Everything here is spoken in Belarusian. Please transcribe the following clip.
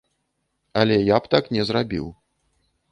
Але я б так не зрабіў.